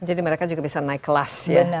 jadi mereka juga bisa naik kelas ya